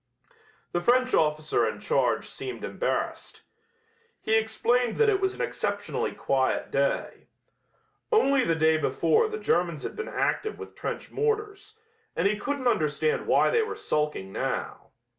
The French officer in charge seemed embarrassed. He explained that it was an exceptionally quiet day. Only the day before the Germans had been active with trench mortars, and he couldn't understand why they were sulking now.